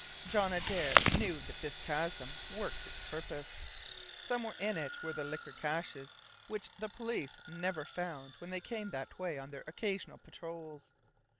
John Adare knew that this chasm worked its purpose. Somewhere in it were the liquor caches which the police never found when they came that way on their occasional patrols.